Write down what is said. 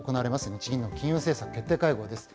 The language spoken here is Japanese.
日銀の金融政策決定会合です。